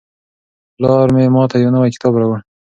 پلار مې ماته یو نوی کتاب راوړ.